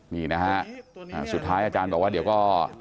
นี่นะฮะสุดท้ายอาจารย์บอกว่าเดี๋ยวก็